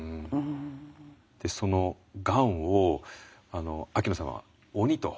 そのがんを秋野さんは鬼と例えて。